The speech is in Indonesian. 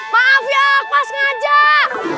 maaf ya pas ngajak